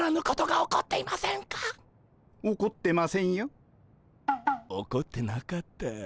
起こってなかった。